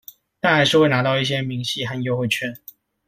但還是會拿到一堆明細和優惠券